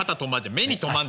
目に留まんだ。